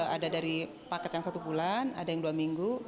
ada dari paket yang satu bulan ada yang dua minggu